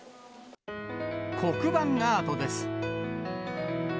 黒板アートです。